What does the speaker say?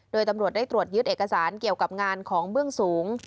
โดยตำรวจได้ตรวจยึดเอกสารเกี่ยวกับงานของเบื้องสูง